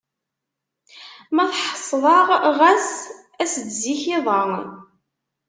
Ma tḥesseḍ-aɣ, ɣas as-d zik iḍ-a.